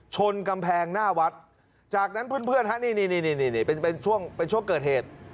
ชนกำแพงหน้าวัดจากนั้นเพื่อนฮะนี่เป็นช่วงเป็นช่วงเกิดเหตุ